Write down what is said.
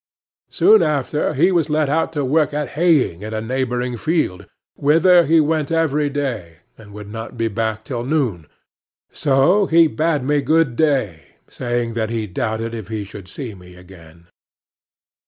Soon after, he was let out to work at haying in a neighboring field, whither he went every day, and would not be back till noon; so he bade me good day, saying that he doubted if he should see me again.